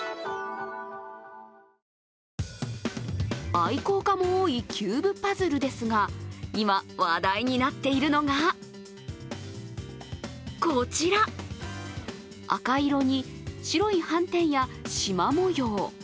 愛好家も多い、キューブパズルですが今、話題になっているのがこちら、赤色に白い斑点や縞模様。